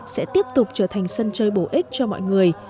sẽ tiếp tục trở thành sân chơi bổ ích cho mọi người